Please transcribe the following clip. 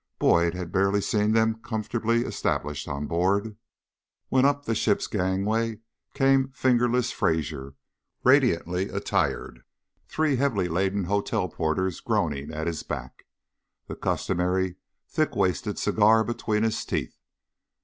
Boyd had barely seen them comfortably established on board, when up the ship's gangway came "Fingerless" Fraser radiantly attired, three heavily laden hotel porters groaning at his back, the customary thick waisted cigar between his teeth.